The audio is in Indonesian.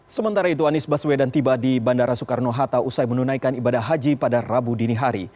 sementara itu anies baswedan tiba di bandara soekarno hatta usai menunaikan ibadah haji pada rabu dini hari